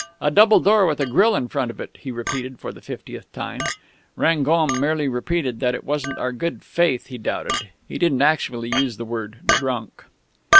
'A double door, with a grille in front of it,' he repeated for the fiftieth time.... Rangon merely replied that it wasn't our good faith he doubted. He didn't actually use the word 'drunk.'...